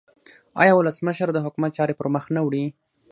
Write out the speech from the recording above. آیا ولسمشر د حکومت چارې پرمخ نه وړي؟